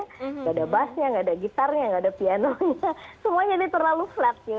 tidak ada bassnya tidak ada gitarnya tidak ada pianonya semuanya jadi terlalu flat gitu